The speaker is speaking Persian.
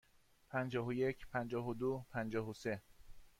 پنجاه و یک، پنجاه و دو، پنجاه و سه.